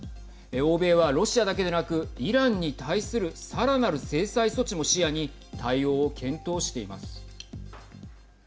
欧米はロシアだけでなくイランに対するさらなる制裁措置も視野に対応を検討しています。